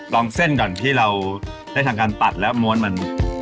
ลองเส้นก่อนที่เราได้ทำการปัดแล้วม้วนมัน